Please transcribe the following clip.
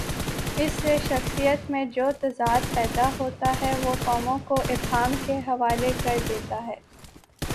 اس سے شخصیت میں جو تضاد پیدا ہوتاہے، وہ قوموں کو ابہام کے حوالے کر دیتا ہے۔